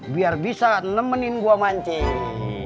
biar bisa nemenin gua mancing